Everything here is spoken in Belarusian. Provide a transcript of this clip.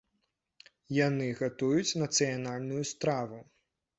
Яны гатуюць нацыянальную страву.